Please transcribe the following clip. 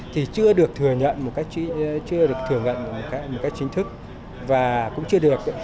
thì chưa được thừa nhận một cách chính thức và cũng chưa được